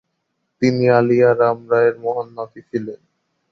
তিনি আলিয়া রাম রায়ের মহান নাতি ছিলেন।